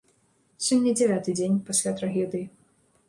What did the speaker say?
Сёння дзявяты дзень пасля трагедыі.